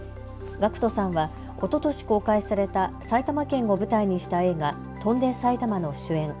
ＧＡＣＫＴさんはおととし公開された埼玉県を舞台にした映画、翔んで埼玉の主演。